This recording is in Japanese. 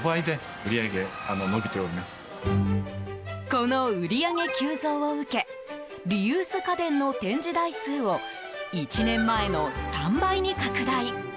この売り上げ急増を受けリユース家電の展示台数を１年前の３倍に拡大！